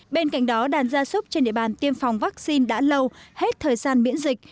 bên cạnh đó đàn gia súc trên địa bàn tiêm phòng vaccine đã lâu hết thời gian miễn dịch